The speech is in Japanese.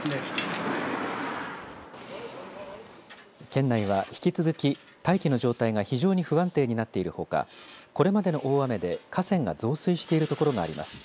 県内は、引き続き大気の状態が非常に不安定になっているほかこれまでの大雨で河川が増水している所があります。